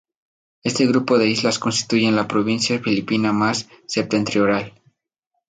Este grupo de islas constituyen la provincia filipina más septentrional.